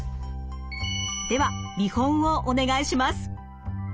では見本をお願いします。